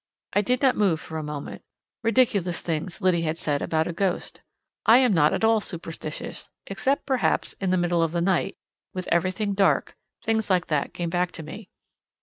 I did not move for a moment; ridiculous things Liddy had said about a ghost—I am not at all superstitious, except, perhaps, in the middle of the night, with everything dark—things like that came back to me.